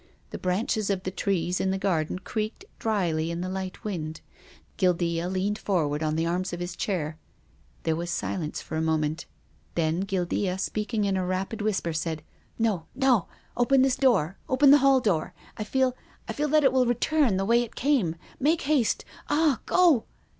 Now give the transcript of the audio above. The branches of the trees in the garden creaked drily in the light wind. Guildca leaned forward on the arms of his chair. There was silence for a moment. Then Guildea, speaking in a rapid whisper, said, " No, no. Open this door — open the hall door. I feel — I feel that it will return the way it came. Make haste — ah, go